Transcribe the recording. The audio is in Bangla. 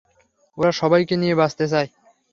ওরা সবাইকে নিয়ে বাঁচতে চায়।